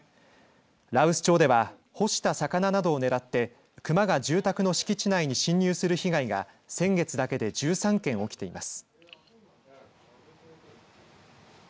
羅臼町では干した魚度などを狙ってクマが住宅の敷地内に侵入する被害が先月だけで１３件起きています。